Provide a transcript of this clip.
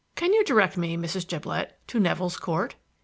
"Can you direct me, Mrs. Jablett, to Nevill's Court?"